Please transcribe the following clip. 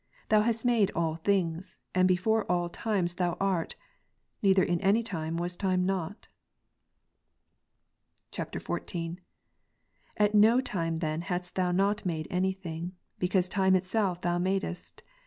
Thou hast made all things ; and before all times Thou art : neither in any time was time not. i [XIV.] 17. At no time then hadst Thou not made any thing, because time itself Thou madest.